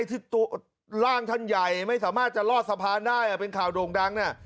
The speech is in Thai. ที่ตัวร่างท่านใหญ่ไม่สามารถจะลอดสะพานได้เป็นข่าวโด่งดัง